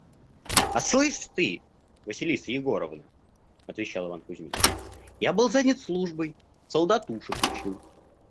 – «А слышь ты, Василиса Егоровна, – отвечал Иван Кузмич, – я был занят службой: солдатушек учил».